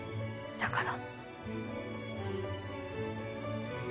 だから。